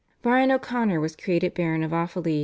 Brian O'Connor was created Baron of Offaly.